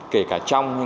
kể cả trong hay ngoài